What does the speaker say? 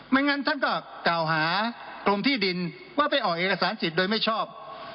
งั้นท่านก็กล่าวหากรมที่ดินว่าไปออกเอกสารสิทธิ์โดยไม่ชอบ